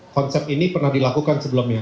konsep ini pernah dilakukan sebelumnya